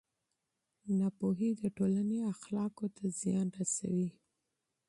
بد تغذیه د ټولنې اخلاقو ته زیان رسوي.